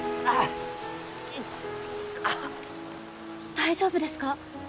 大丈夫ですか？